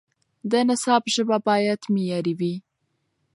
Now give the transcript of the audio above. د نصاب ژبه باید معیاري وي.